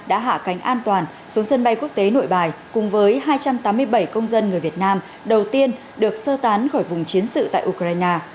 đã hạ cánh an toàn xuống sân bay quốc tế nội bài cùng với hai trăm tám mươi bảy công dân người việt nam đầu tiên được sơ tán khỏi vùng chiến sự tại ukraine